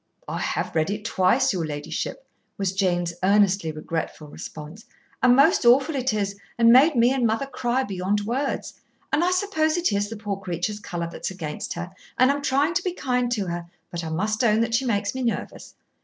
"I have read it twice, your ladyship," was Jane's earnestly regretful response, "and most awful it is, and made me and mother cry beyond words. And I suppose it is the poor creature's colour that's against her, and I'm trying to be kind to her, but I must own that she makes me nervous.